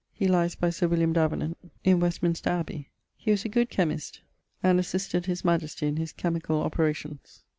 He lyes by Sir William Davenant in Westminster abbey. He was a good chymist and assisted his majestie in his chymicall operations.